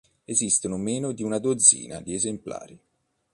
Esistono meno di una dozzina di esemplari.